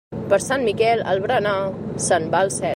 Per Sant Miquel, el berenar se'n va al cel.